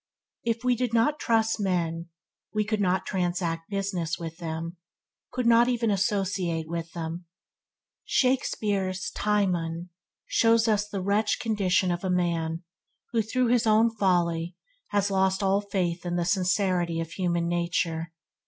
If we did not trust men, we could not transact business with them, could not even associate with them. Shakespeare's "Timon" shows us the wretched condition of a man who, through his own folly, has lost all faith in the sincerity of human nature.